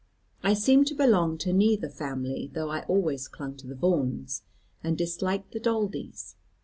I seemed to belong to neither family; though I always clung to the Vaughans, and disliked the Daldys.